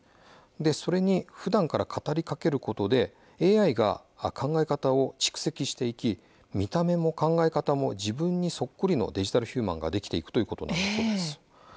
それに、ふだんから語りかけることでＡＩが考え方を蓄積していき見た目も考え方も自分そっくりのデジタルヒューマンができていくということなんです。